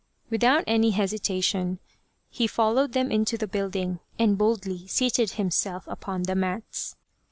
Without any hesitation, he followed them into the building, and boldly seated himself upon the mats.